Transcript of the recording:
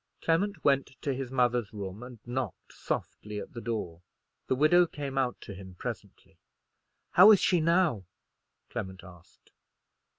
Clement went to his mother's room and knocked softly at the door. The widow came out to him presently. "How is she now?" Clement asked.